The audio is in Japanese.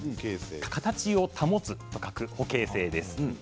形を保つと書くんです。